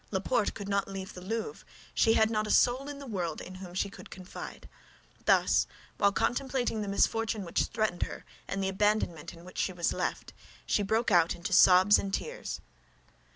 Laporte could not leave the Louvre; she had not a soul in the world in whom she could confide. Thus, while contemplating the misfortune which threatened her and the abandonment in which she was left, she broke out into sobs and tears.